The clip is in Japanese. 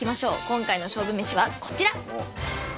今回の勝負めしはこちら。